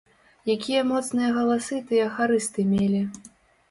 Якія моцныя галасы тыя харысты мелі!